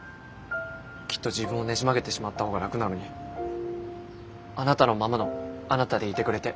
きっと自分をねじ曲げてしまった方が楽なのにあなたのままのあなたでいてくれて。